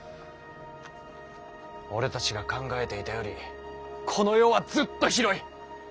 俺たちが考えていたよりこの世はずっと広い。